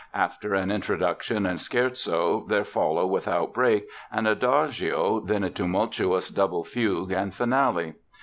After an introduction and scherzo there follow without break an Adagio, then a tumultuous double fugue and finale."